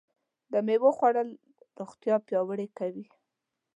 د مېوو خوړل روغتیا پیاوړې کوي.